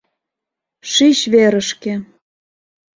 Шич верышке!